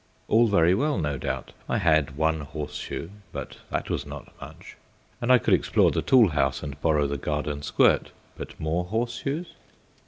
All very well, no doubt. I had one horseshoe, but that was not much, and I could explore the tool house and borrow the garden squirt. But more horseshoes?